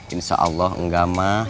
insya allah enggak ma